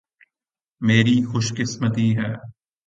میری خوش قسمتی ہے۔